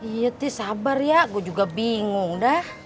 iya sih sabar ya gue juga bingung dah